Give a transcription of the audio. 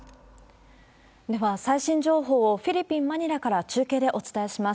では、最新情報をフィリピン・マニラから中継でお伝えします。